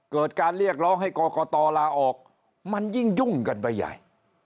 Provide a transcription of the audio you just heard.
เกิดการเรียกร้องให้กรกตลาออกมันยิ่งยุ่งกันไปใหญ่